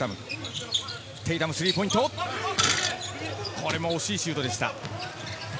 これも惜しいシュートでした。